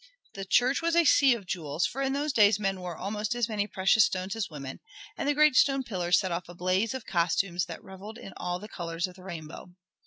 The church was a sea of jewels, for in those days men wore almost as many precious stones as women, and the great stone pillars set off a blaze of costumes that reveled in all the colors of the rainbow.